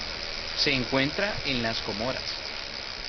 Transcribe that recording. Se encuentra en las Comoras.